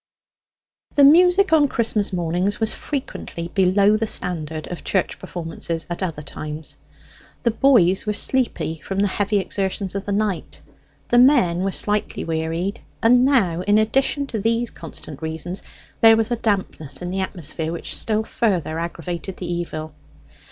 The music on Christmas mornings was frequently below the standard of church performances at other times. The boys were sleepy from the heavy exertions of the night; the men were slightly wearied; and now, in addition to these constant reasons, there was a dampness in the atmosphere that still further aggravated the evil.